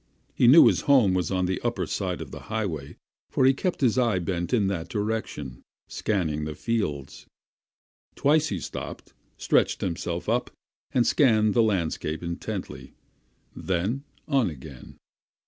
He knew his home was on the upper side of the road, for he kept his eye bent in that direction, scanning the fields. Twice he stopped, stretched himself up, and scanned the landscape intently; then on again.